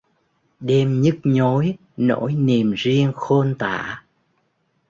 Đêm...nhức nhối nỗi niềm riêng khôn tả